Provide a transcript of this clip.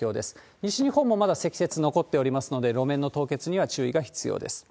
西日本もまだ積雪残っておりますので、路面の凍結には注意が必要です。